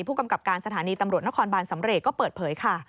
ผู้กำกับการสถานีตำรวจนครบานสำเรกก็เปิดเผยค่ะ